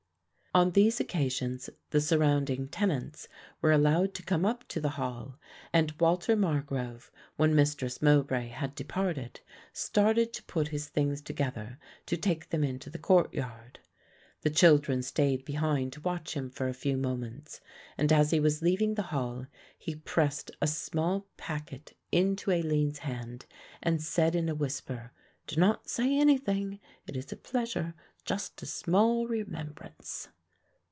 On these occasions the surrounding tenants were allowed to come up to the hall and Walter Margrove, when Mistress Mowbray had departed, started to put his things together to take them into the courtyard. The children stayed behind to watch him for a few moments and as he was leaving the Hall he pressed a small packet into Aline's hand and said in a whisper, "Do not say anything; it is a pleasure, just a small remembrance."